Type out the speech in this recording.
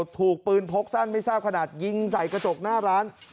ถูกปืนพกสั้นไม่ทราบขนาดยิงใส่กระจกหน้าร้าน